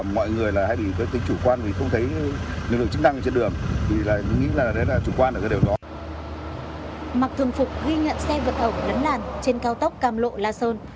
mặc thường phục ghi nhận xe vượt ẩu lấn làn trên cao tốc cam lộ la sơn